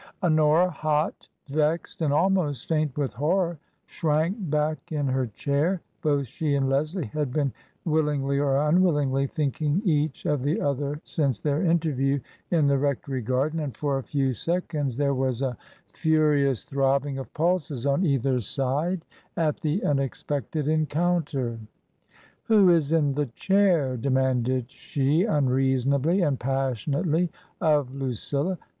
Honora, hot, vexed, and almost faint with horror, shrank back in her chair. Both she and Leslie had been — willingly or unwillingly — thinking each of the other since their interview in the rectory garden, and for a few seconds there was a furious throbbing of pulses on either side at the unexpected encounter. " Who is in the chair ?" demanded she, unreasonably and passionately, of Lucilla.